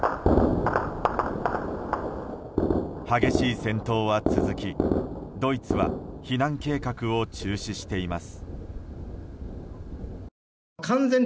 激しい戦闘は続き、ドイツは避難計画を中止しています。